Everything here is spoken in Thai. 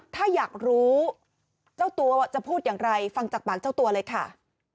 ถ้าอยากรู้เจ้าตัวจะพูดอย่างไรฟังจากปากเจ้าตัวเลยค่ะ